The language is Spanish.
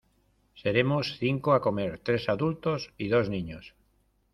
Seremos cinco a comer, tres adultos y dos niños.